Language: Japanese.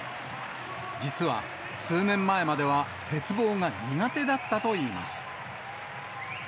実は数年前までは鉄棒が苦手だったといいます。